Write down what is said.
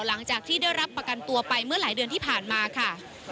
หลังจากที่ได้รับประกันตัวไปเมื่อหลายเดือนที่ผ่านมาค่ะ